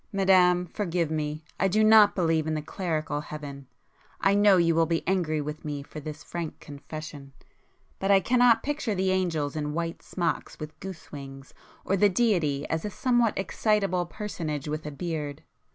"Madame, forgive me! I do not believe in the clerical heaven. I know you will be angry with me for this frank [p 152] confession! But I cannot picture the angels in white smocks with goose wings, or the Deity as a somewhat excitable personage with a beard.